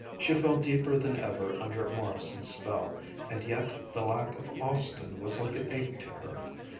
She fell deeper than ever under Morrison's spell, and yet the lack of Austin was like an ache to her.